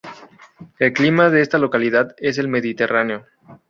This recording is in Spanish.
El clima de esta localidad es el mediterráneo.